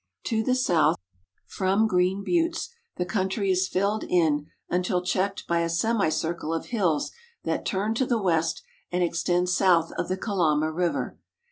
To the south from Green Buttes the country is filled in until checked by a semicircle of hills that turn to the west and extend south of the Kalama river.